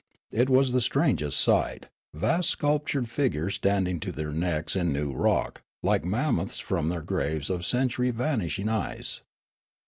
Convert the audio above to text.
It was the strangest sight ; vast sculptured figures standing to their necks in new rock, like mammoths from their graves of century vanishing ice.